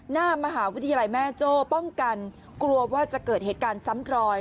หน้ามหาวิทยาลัยแม่โจ้ป้องกันกลัวว่าจะเกิดเหตุการณ์ซ้ำรอย